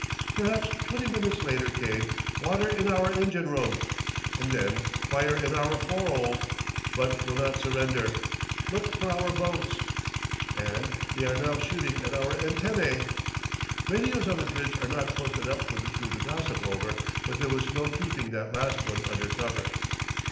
Perhaps twenty minutes later came: "Water in our engine room." And then: "Fire in our forehold, but will not surrender. Look for our boats." And: "They are now shooting at our antennæ." Radios to the bridge are not posted up for the crew to gossip over, but there was no keeping that last one under cover.